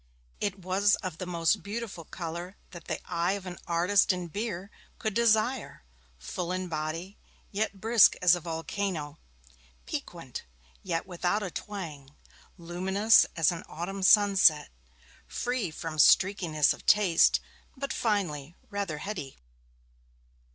It was of the most beautiful colour that the eye of an artist in beer could desire; full in body, yet brisk as a volcano; piquant, yet without a twang; luminous as an autumn sunset; free from streakiness of taste; but, finally, rather heady.